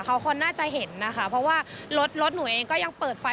เขาคนน่าจะเห็นนะคะเพราะว่ารถรถหนูเองก็ยังเปิดไฟ